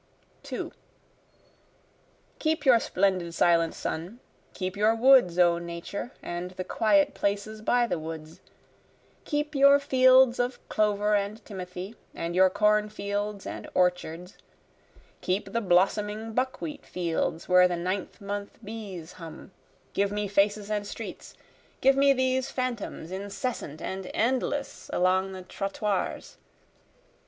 2 Keep your splendid silent sun, Keep your woods O Nature, and the quiet places by the woods, Keep your fields of clover and timothy, and your corn fields and orchards, Keep the blossoming buckwheat fields where the Ninth month bees hum; Give me faces and streets give me these phantoms incessant and endless along the trottoirs!